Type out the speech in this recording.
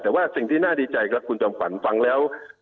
แต่ว่าสิ่งที่น่าดีใจครับคุณจอมฝันฟังแล้ว